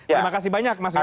terima kasih banyak mas gun